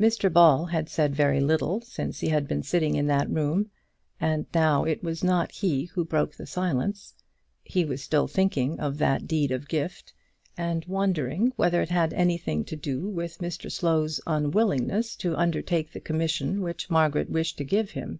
Mr Ball had said very little since he had been sitting in that room, and now it was not he who broke the silence. He was still thinking of that deed of gift, and wondering whether it had anything to do with Mr Slow's unwillingness to undertake the commission which Margaret wished to give him.